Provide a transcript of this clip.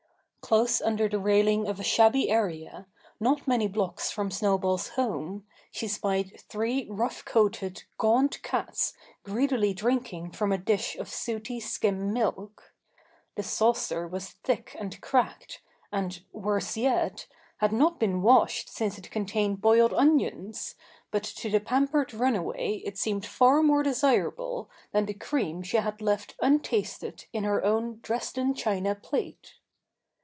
Close under the railing of a shabby area, not many blocks from Snowball's home, she spied three rough coated, gaunt cats greedily drinking from a dish of sooty skim milk. The saucer was thick and cracked, and worse yet! had not been washed since it contained boiled onions, but to the pampered runaway it seemed far more desirable than the cream she had left untasted in her own Dresden china plate.